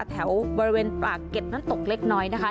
แถวบริเวณตรากเก็ดตกเล็กน้อย